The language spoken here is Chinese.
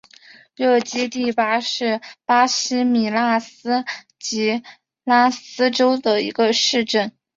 热基蒂巴是巴西米纳斯吉拉斯州的一个市镇。